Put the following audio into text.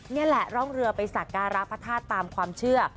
นี่แหละร่องเรือไปสักการะพระธาตุตามความเชื่อ